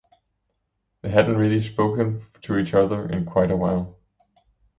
They hadn't really spoken to each other in quite a while.